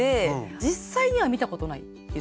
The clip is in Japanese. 実際には見たことないって状態ですね。